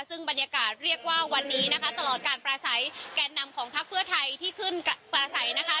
ซึ่งบรรยากาศเรียกว่าวันนี้นะคะตลอดการปราศัยแก่นำของพักเพื่อไทยที่ขึ้นปลาใสนะคะ